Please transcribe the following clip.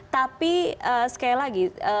tapi sekali lagi